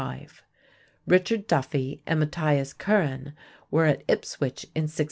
Richard Duffy and Matthias Curran were at Ipswich in 1633.